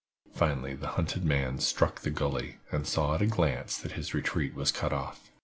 Finally the hunted man struck the gully, and saw at a glance that his retreat was cut off.